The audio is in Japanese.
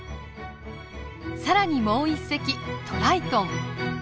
更にもう一隻トライトン。